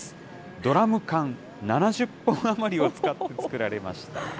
ドラム缶７０本余りを使って作られました。